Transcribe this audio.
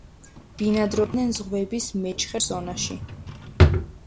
ბინადრობდნენ ზღვების მეჩხერ ზონაში.